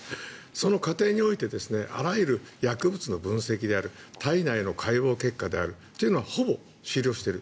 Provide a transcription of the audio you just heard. その過程においてあらゆる薬物の分析である体内の解剖結果であるというのはほぼ終了している。